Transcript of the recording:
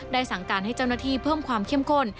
สั่งการให้เจ้าหน้าที่เพิ่มความเข้มข้น